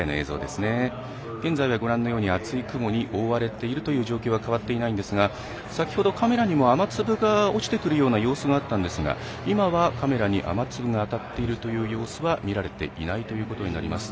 現在はご覧のように厚い雲に覆われている状況は変わっていないんですが先ほどカメラにも雨粒が落ちてくるような様子があったんですが今は、カメラに雨粒が当たっているという様子は見られていないということになります。